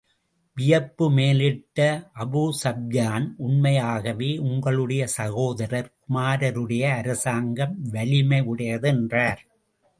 வியப்பு மேலிட்ட Abu Sufyan, உண்மையாகவே, உங்களுடைய சகோதரர் குமாரருடைய அரசாங்கம் வலிமையுடையது என்றார்.